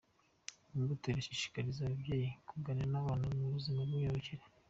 Imbuto irashishikariza ababyeyi kuganira n’abana ku buzima bw’imyororokere